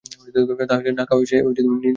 তাহাকে না খাওয়াইয়া সে নিজে খাইতে পারিত না।